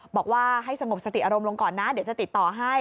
บอกว่าให้สงบสติอารมณ์ลงก่อนนะเดี๋ยวจะติดต่อให้